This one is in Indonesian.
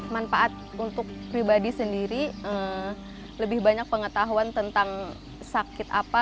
manfaat untuk pribadi sendiri lebih banyak pengetahuan tentang sakit apa